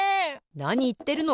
なにいってるの！